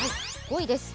５位です